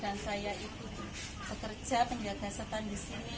dan saya itu bekerja penjaga setan di sini